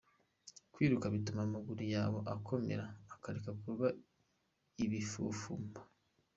Kwiruka bituma amagura yawe akomera akareka kuba ibifufumba.